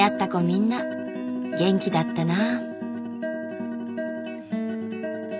みんな元気だったな。